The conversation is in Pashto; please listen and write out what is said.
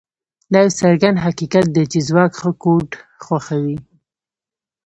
دا یو څرګند حقیقت دی چې ځواک ښه کوډ خوښوي